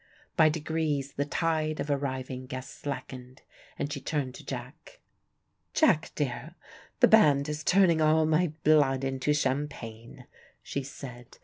By degrees the tide of arriving guests slackened, and she turned to Jack. "Jack dear, the band is turning all my blood into champagne," she said.